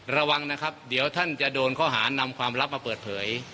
ระวังนะครับเดี๋ยวท่านจะโดนข้อหานำความลับมาเปิดเผย